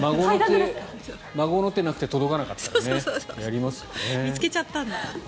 孫の手なくて届かなかったらね見つけちゃったんだ。